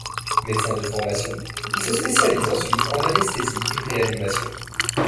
Médecin de formation, il se spécialise ensuite en anesthésie et réanimation.